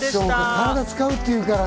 体使うっていうからさ。